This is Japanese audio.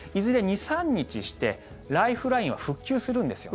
２３日してライフラインは復旧するんですよ。